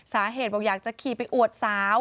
สาเหตุบอกอยากจะขี่ไปอวดสาว